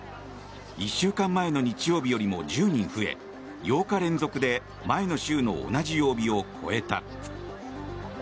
１週間前の日曜日よりも１０人増え８日連続で前の週の同じ曜日を超えた。